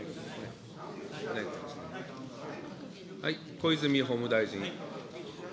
小泉法務大臣。